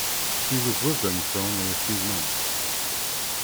He was with them for only a few months.